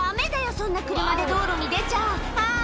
そんな車で道路に出ちゃあぁ